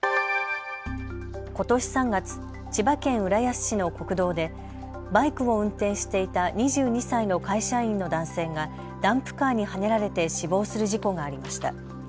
ことし３月、千葉県浦安市の国道でバイクを運転していた２２歳の会社員の男性がダンプカーにはねられて死亡する事故がありました。